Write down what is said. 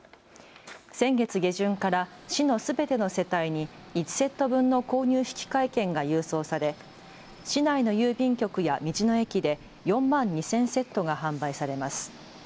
先月下旬から市のすべての世帯に１セット分の購入引換券が郵送され市内の郵便局や道の駅で４万２０００セットが販売されます。